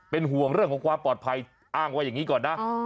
เป็นห่วงเรื่องของความปลอดภัยอ้างว่าอย่างนี้ก่อนนะ